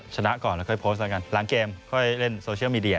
ชนะก่อนแล้วค่อยโพสต์แล้วกันหลังเกมค่อยเล่นโซเชียลมีเดีย